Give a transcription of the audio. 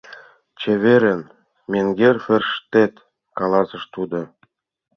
— Чеверын, менгер Ферштет, — каласыш тудо.